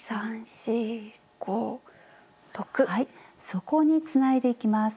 そこにつないでいきます。